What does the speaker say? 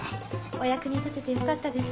お役に立ててよかったです。